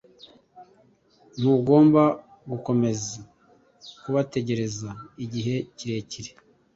ntugomba gukomeza kubategereza igihe kirekire